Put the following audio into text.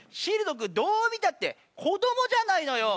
君どう見たって子どもじゃないのよ！